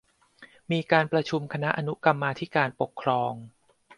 มีการประชุมคณะอนุกรรมาธิการปกครอง